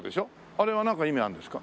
あれはなんか意味があるんですか？